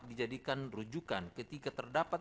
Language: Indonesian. dijadikan rujukan ketika terdapat